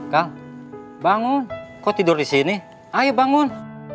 kal bangun kok tidur di sini ayo bangun